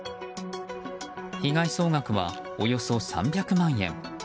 被害総額は、およそ３００万円。